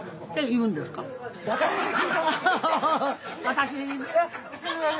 私？